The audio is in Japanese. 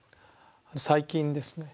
最近ですね